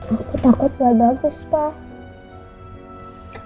aku takut gak bagus pak